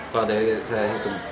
kalau dari saya hitung